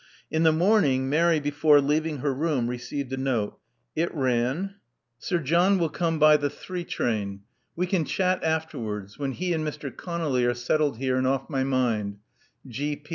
In the morning, Mary, before leaving her room, received a note. It ran : ''''Sir John will come by the three train. We can chat afterwards — ivhen he and Mr. Conolly are settled here and off my mind.